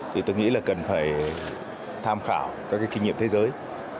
thì tôi nghĩ là cần phải tham khảo các kinh nghiệm thế giới